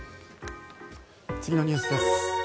次のニュースです。